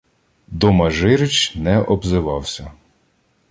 Домажирич не обзивався.